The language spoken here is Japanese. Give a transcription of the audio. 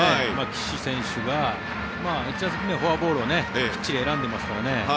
岸選手が１打席目はフォアボールをきっちり選んでますからね。